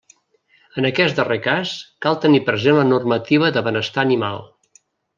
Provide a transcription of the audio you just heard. En aquest darrer cas, cal tenir present la normativa de benestar animal.